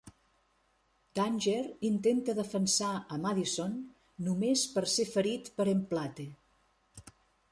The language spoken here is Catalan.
Danger intenta defensar a Madison només per ser ferit per Emplate.